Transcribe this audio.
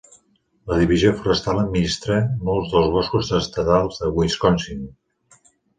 La Divisió Forestal administra molts dels boscos estatals de Wisconsin.